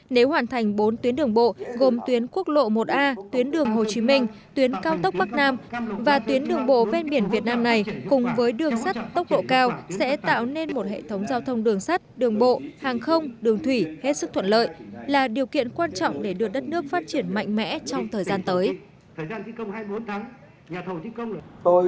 nếu hoàn thành bốn tuyến đường bộ gồm tuyến quốc lộ một a tuyến đường hồ chí minh tuyến cao tốc bắc nam và tuyến đường bộ ven biển việt nam này cùng với đường sắt tốc độ cao sẽ tạo nên một hệ thống giao thông đường sắt đường bộ hàng không đường thủy hết sức thuận lợi là điều kiện quan trọng để được đất nước phát triển mạnh mẽ trong thời gian tới